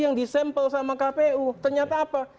yang di sampel sama kpu ternyata apa